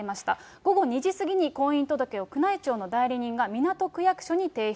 午後２時過ぎに婚姻届を宮内庁の代理人が港区役所に提出。